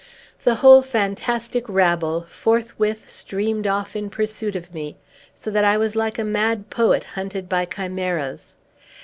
The whole fantastic rabble forthwith streamed off in pursuit of me, so that I was like a mad poet hunted by chimeras.